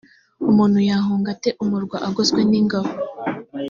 umuntu yahunga ate umurwa ugoswe n’ ingabo.